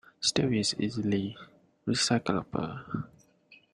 Steel is easily recyclable.